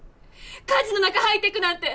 火事の中入っていくなんて！